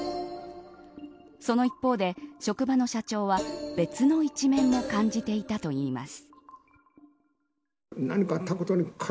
その一方で、職場の社長は別の一面も感じていたといいます。